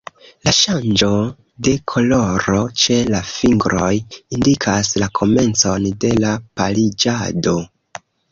La ŝanĝo de koloro ĉe la fingroj indikas la komencon de la pariĝado.